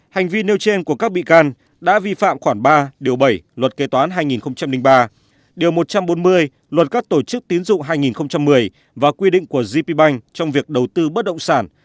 hành vi nêu trên của các bị can đã vi phạm khoảng ba điều bảy luật kế toán hai nghìn ba điều một trăm bốn mươi luật các tổ chức tín dụng hai nghìn một mươi và quy định của gp bank trong việc đầu tư bất động sản